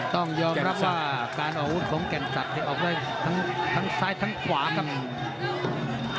ต้องยอมรับว่าการออกอาวุธของแก่นศักดิ์ออกได้ทั้งซ้ายทั้งขวาครับ